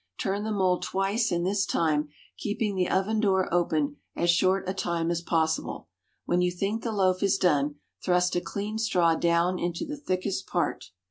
Turn the mould twice in this time keeping the oven door open as short a time as possible. When you think the loaf is done, thrust a clean straw down into the thickest part.